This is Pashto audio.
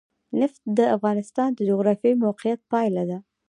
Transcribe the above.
نفت د افغانستان د جغرافیایي موقیعت پایله ده.